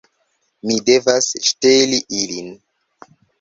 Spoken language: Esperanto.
Mi devas ŝteli ilin